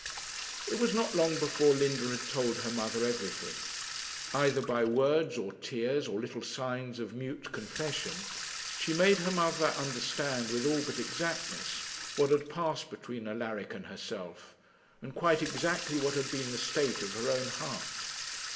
It was not long before Linda had told her mother everything. Either by words, or tears, or little signs of mute confession, she made her mother understand, with all but exactness, what had passed between Alaric and herself, and quite exactly what had been the state of her own heart.